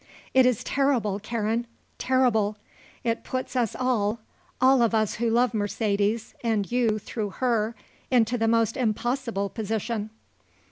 It is terrible, Karen. Terrible. It puts us all all of us who love Mercedes, and you through her, into the most impossible position."